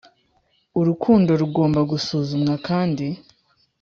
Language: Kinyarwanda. Urukundo rugomba gusuzumwa kandi